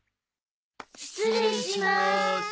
失礼します。